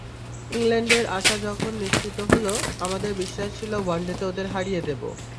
ইংল্যান্ডের আসা যখন নিশ্চিত হলো, আমাদের বিশ্বাস ছিল ওয়ানডেতে ওদের হারিয়ে দেব।